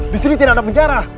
disini tidak ada penjara